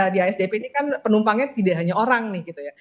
di asdp ini kan penumpangnya tidak hanya orang nih gitu ya